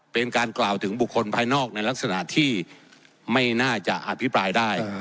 เป็นการกล่าวถึงบุคคลภายนอกในลักษณะที่ไม่น่าจะอภิปรายได้